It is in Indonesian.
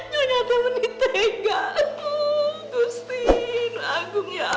ternyata menitengahku gustin agung ya allah